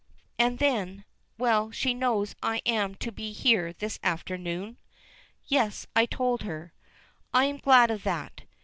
And then: "Well, she knows I am to be here this afternoon?" "Yes. I told her." "I am glad of that.